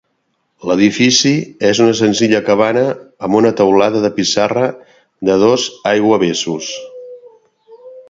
L'edifici és una senzilla cabana amb una teulada de pissarra de dos aiguavessos.